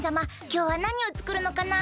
きょうはなにをつくるのかな？